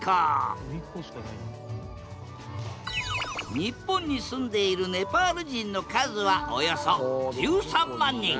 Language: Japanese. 日本に住んでいるネパール人の数はおよそ１３万人。